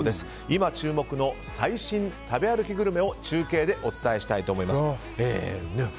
今注目の最新食べ歩きグルメを中継でお伝えしたいと思います。